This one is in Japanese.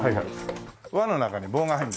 輪の中に棒が入るんだね。